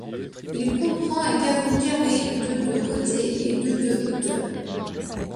Il comprend un caveau carré de de côté et de de hauteur.